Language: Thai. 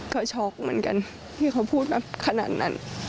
ก็ช็อกเหมือนกันที่เขาพูดมาขนาดนั้น